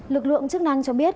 lực lượng chức năng cho biết